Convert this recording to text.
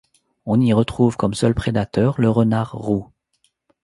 On y retrouve comme seul prédateur le renard roux.